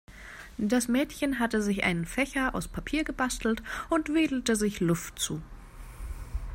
Das Mädchen hatte sich einen Fächer aus Papier gebastelt und wedelte sich Luft zu.